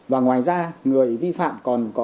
và ngoài ra người vi phạm còn có